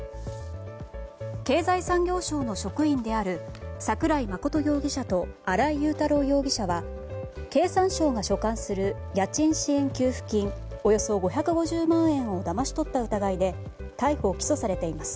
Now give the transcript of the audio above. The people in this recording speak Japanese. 経済産業省の職員である桜井真容疑者と新井雄太郎容疑者は経産省が所管する家賃支援給付金およそ５５０万円をだまし取った疑いで逮捕・起訴されています。